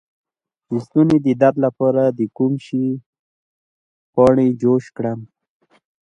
د ستوني د درد لپاره د کوم شي پاڼې جوش کړم؟